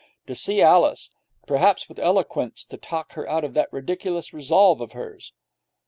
To see Alice! Perhaps, with eloquence, to talk her out of that ridiculous resolve of hers!